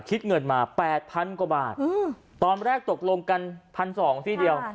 คิดเงินมา๘๐๐๐กว่าบาทตอนแรกตกลงกัน๑๒๐๐ที่เดียว